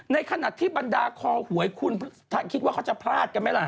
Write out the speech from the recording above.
ในขณะที่บรรดาคอหวยคุณคิดว่าเขาจะพลาดกันไหมล่ะ